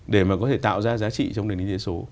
để mà có thể tạo ra giá trị trong nền kinh tế số